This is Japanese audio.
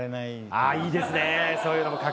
あぁいいですね！